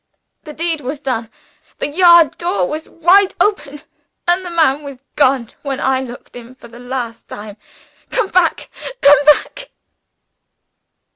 "The deed was done the yard door was wide open, and the man was gone when I looked in for the last time. Come back, come back!"